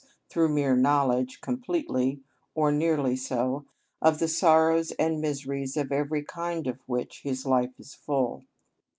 _, through mere knowledge, completely, or nearly so, of the sorrows and miseries of every kind of which his life is full.